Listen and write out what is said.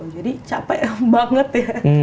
jadi capek banget ya